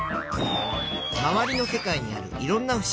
まわりの世界にあるいろんなふしぎ。